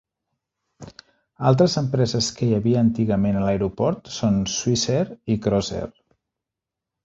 Altres empreses que hi havia antigament a l'aeroport són Swissair i Crossair.